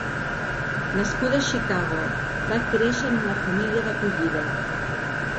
Nascuda a Chicago, va créixer en una família d'acollida.